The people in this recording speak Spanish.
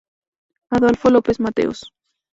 Adolfo López Mateos.